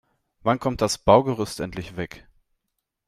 Wann kommt das Baugerüst endlich weg?